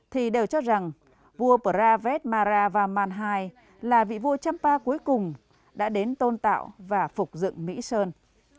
thì đều cho rằng vua pravet mara và manhai là vị vua champa cuối cùng đã đến tôn tạo và phục dựng mỹ sơn